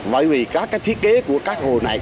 bởi vì các cái thiết kế của các hồ này